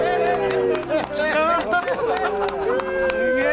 すげえ。